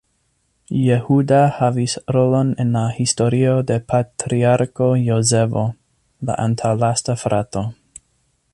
Jehuda havis rolon en la historio de Patriarko Jozefo, la antaŭlasta frato.